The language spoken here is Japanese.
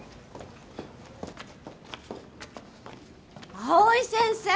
藍井先生！